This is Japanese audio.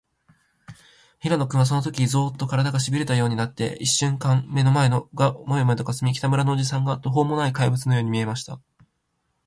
平野君は、そのとき、ゾーッと、からだが、しびれたようになって、いっしゅんかん目の前がモヤモヤとかすみ、北村のおじさんが、とほうもない怪物のように見えました。